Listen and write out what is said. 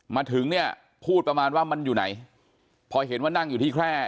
มาถึงเนี่ยพูดประมาณว่ามันอยู่ไหนพอเห็นว่านั่งอยู่ที่แคร่